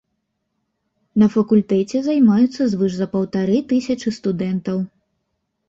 На факультэце займаюцца звыш за паўтары тысячы студэнтаў.